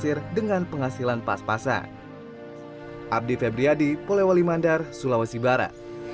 supri juga menghasilkan penghasilan pas pasang